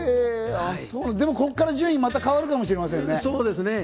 ここから順位が変わるかもしれませんね。